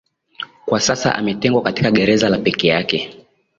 kwa sasa ametengwa katika ngereza la peke yake